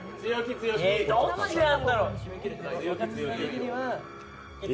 どっちなんだろう。